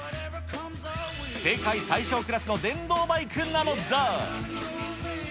世界最小クラスの電動バイクなのだ。